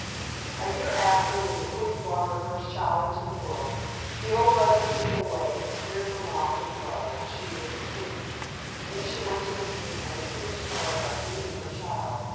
A year after, when the queen brought her first child into the world, the old mother took it away, and smeared her mouth with blood while she was asleep. Then she went to the king, and accused her of eating her child.